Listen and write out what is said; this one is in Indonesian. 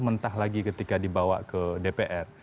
mentah lagi ketika dibawa ke dpr